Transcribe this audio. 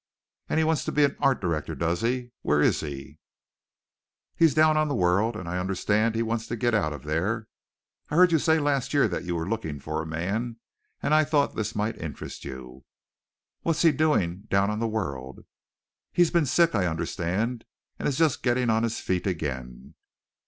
"And he wants to be an art director, does he. Where is he?" "He's down on the World, and I understand he wants to get out of there. I heard you say last year that you were looking for a man, and I thought this might interest you." "What's he doing down on the World?" "He's been sick, I understand, and is just getting on his feet again."